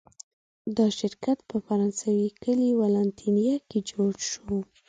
دا شرکت په فرانسوي کلي ولانتینیه کې جوړ شو.